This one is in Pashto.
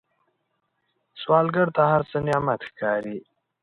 سوالګر ته هر څه نعمت ښکاري